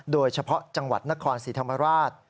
โดยเฉพาะจังหวัดนครศรีธรรมราช